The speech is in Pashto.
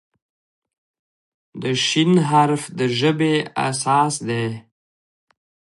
د "ش" حرف د ژبې اساس دی.